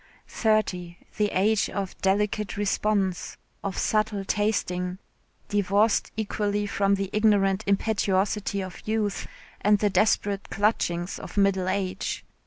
Thirty, the age of delicate response, of subtle tasting, divorced equally from the ignorant impetuosity of youth and the desperate clutchings of middle age.